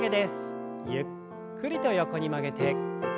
ゆっくりと横に曲げて。